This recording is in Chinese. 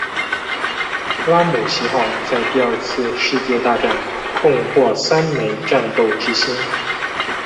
拉姆齐号在第二次世界大战共获三枚战斗之星。